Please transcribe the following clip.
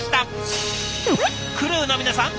クルーの皆さん